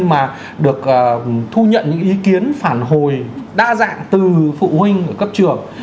mà được thu nhận những ý kiến phản hồi đa dạng từ phụ huynh ở cấp trường